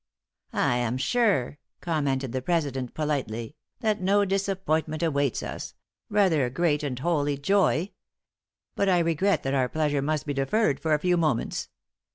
"I am sure," commented the president, politely, "that no disappointment awaits us rather a great and holy joy. But I regret that our pleasure must be deferred for a few moments.